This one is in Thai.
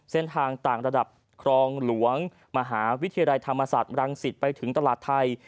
เส้นทางต่างระดับครองหลวงมหาวิทยาลัยธรรมศาสตร์รังสิตไปถึงตลาดไทย